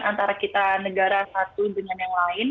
antara kita negara satu dengan yang lain